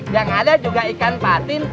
yang ada juga ikan patin